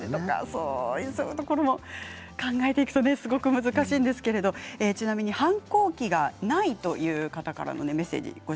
そういうところも考えていくと難しいんですけれどちなみに反抗期がないという方からのメッセージです。